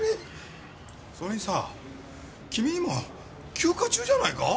それにさ君今休暇中じゃないか？